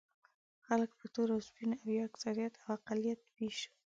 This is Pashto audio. خلک په تور او سپین او یا اکثریت او اقلیت وېشو.